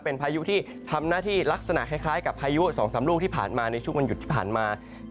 เป็นพายุที่ทำหน้าที่ลักษณะคล้ายกับพายุ๒๓ลูกที่ผ่านมาในช่วงวันหยุดที่ผ่านมา